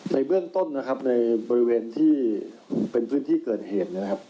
ในเบื้องต้นนะครับในบริเวณที่เป็นพื้นที่เกิดเหตุนะครับ